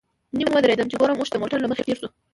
نیم ودرېدم چې ګورم اوښ د موټر له مخې تېر شو.